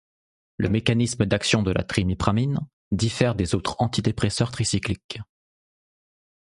Le mécanisme d'action de la trimipramine diffère des autres antidépresseurs tricycliques.